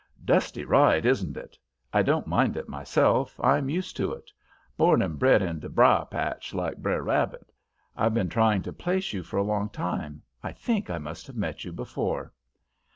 "Dusty ride, isn't it? I don't mind it myself; I'm used to it. Born and bred in de briar patch, like Br'er Rabbit. I've been trying to place you for a long time; I think I must have met you before."